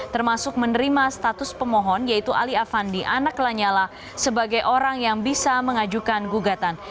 termasuk menerima status pemohon yaitu ali afandi anak lanyala sebagai orang yang bisa mengajukan gugatan